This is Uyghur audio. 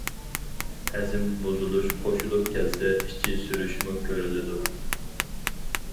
ھەزىم بۇزۇلۇش قوشۇلۇپ كەلسە ئىچى سۈرۈشمۇ كۆرۈلىدۇ.